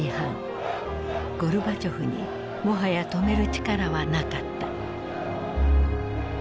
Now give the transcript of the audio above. ゴルバチョフにもはや止める力はなかった。